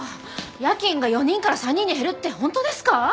夜勤が４人から３人に減るって本当ですか？